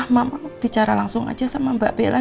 mama bicara langsung aja sama mbak bella